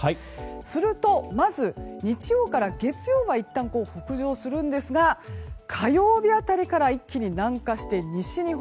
すると、日曜から月曜はいったん北上するんですが火曜日辺りから一気に南下して西日本。